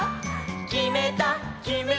「きめたきめた」